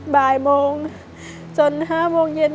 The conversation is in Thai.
บ่ายโมงจน๕โมงเย็น